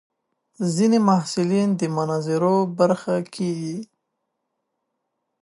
ځینې محصلین د مناظرو برخه کېږي.